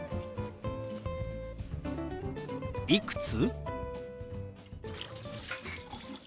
「いくつ？」。